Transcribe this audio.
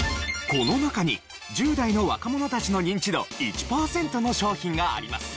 この中に１０代の若者たちのニンチド１パーセントの商品があります。